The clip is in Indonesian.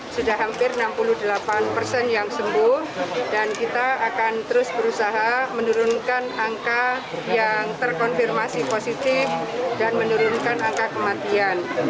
sudah hampir enam puluh delapan persen yang sembuh dan kita akan terus berusaha menurunkan angka yang terkonfirmasi positif dan menurunkan angka kematian